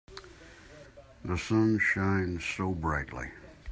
The sun shines so brightly.